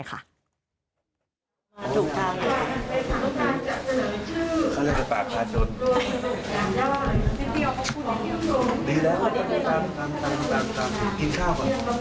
กินข้าวค่ะเดี๋ยวก็เสร็จละ